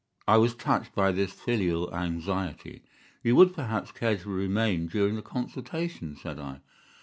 "I was touched by this filial anxiety. 'You would, perhaps, care to remain during the consultation?' said I.